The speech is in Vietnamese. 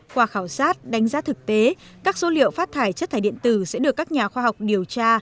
qua khảo sát đánh giá thực tế các số liệu phát thải chất thải điện tử sẽ được các nhà khoa học điều tra